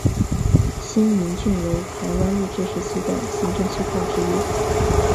新营郡为台湾日治时期的行政区划之一。